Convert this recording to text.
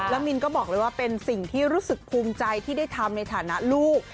แล้วมินก็บอกเลยว่าเป็นสิ่งที่รู้สึกภูมิใจที่ได้ทำในฐานะลูก